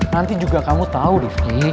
nanti juga kamu tahu rifki